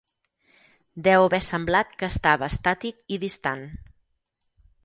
Deu haver semblat que estava estàtic i distant.